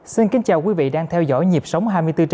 xin kính chào quý vị đang theo dõi dịp sống hai mươi bốn bảy